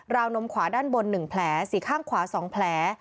วนมขวาด้านบน๑แผลสีข้างขวา๒แผล